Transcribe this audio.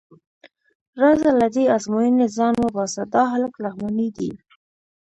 راځه له دې ازموینې ځان وباسه، دا هلک لغمانی دی.